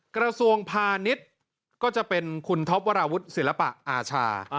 กระทรวงพาณิชย์ก็จะเป็นคุณท็อปวราวุฒิศิลปะอาชา